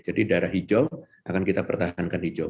jadi daerah hijau akan kita pertahankan hijau